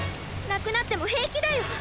なくなってもへいきだよ。